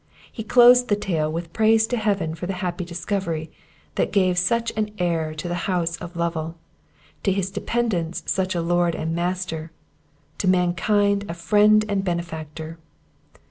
He closed the tale with praise to Heaven for the happy discovery, that gave such an heir to the house of Lovel; to his dependants such a Lord and Master; to mankind a friend and benefactor.